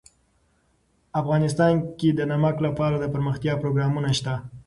افغانستان کې د نمک لپاره دپرمختیا پروګرامونه شته.